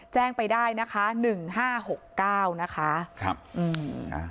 แจ้งไปได้นะคะหนึ่งห้าหกเก้านะคะครับอืมอ่า